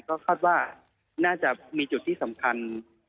ก็คาดว่าน่าจะมีจุดที่สำคัญ